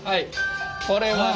これはね